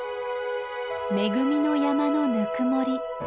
恵みの山のぬくもり。